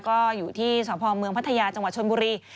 ก็อยู่ที่สพเมืองพัทยาจังหวัดชนบุรี